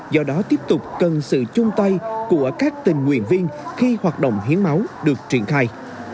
do đó tiếp tục cần sự chung tay của các tình nguyện viên khi hoạt động hiến máu được triển khai